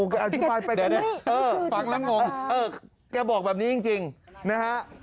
แกอธิบายไปแกบอกแบบนี้จริงจริงนะฮะ